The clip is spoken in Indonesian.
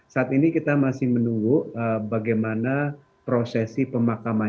saat ini kita masih menunggu bagaimana prosesi pemakaman